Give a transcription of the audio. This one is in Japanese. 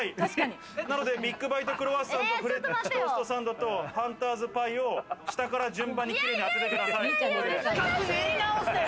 だから、ビッグバイト・クロワッサンとフレンチトースト・サンドとハンターズ・パイを下から順番にキレイに当ててください。